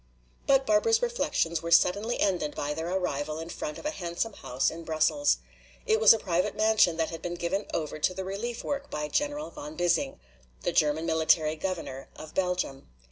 But Barbara's reflections were suddenly ended by their arrival in front of a handsome house in Brussels. It was a private mansion that had been given over to the relief work by General von Bissing, the German military governor of Belgium.